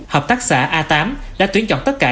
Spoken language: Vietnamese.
hợp tác xã a tám đã tuyển chọn tất cả